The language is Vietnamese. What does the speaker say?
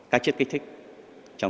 các chiếc kích thích